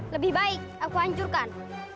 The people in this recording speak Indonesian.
lebih baik aku hancurkan